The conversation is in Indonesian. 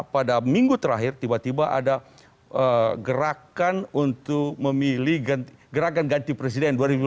pada minggu terakhir tiba tiba ada gerakan untuk memilih gerakan ganti presiden